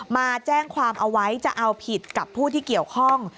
มาแจ้งความเอาไว้จะเอาผิดกับผู้ที่เกี่ยวข้อง